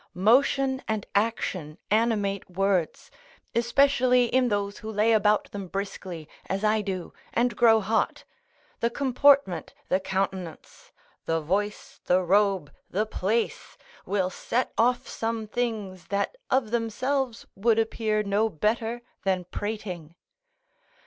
Motion and action animate words, especially in those who lay about them briskly, as I do, and grow hot. The comportment, the countenance; the voice, the robe, the place, will set off some things that of themselves would appear no better than prating.